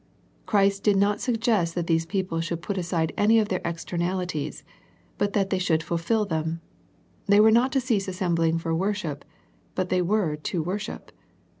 Christ did not suggest that these people should put aside any of their externalities, but that they should fulfil them. They were not to cease assembling for worship, but they were to worship.